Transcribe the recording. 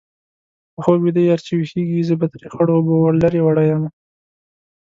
په خوب ویده یار چې ويښېږي-زه به ترې خړو اوبو لرې وړې یمه